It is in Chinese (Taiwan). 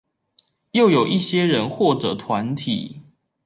又有一些人或者團體